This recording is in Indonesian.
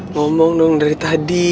ngomong dong dari tadi